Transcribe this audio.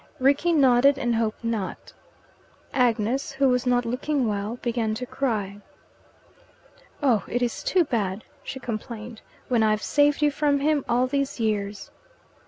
Rickie nodded, and hoped not. Agnes, who was not looking well, began to cry. "Oh, it is too bad," she complained, "when I've saved you from him all these years."